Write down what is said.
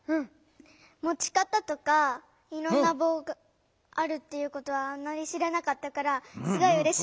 もち方とかいろんなぼうがあるっていうことはあんまり知らなかったからすごいうれしかった。